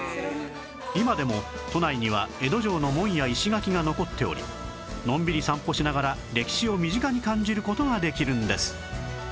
今でも都内には江戸城の門や石垣が残っておりのんびり散歩しながら歴史を身近に感じる事ができるんです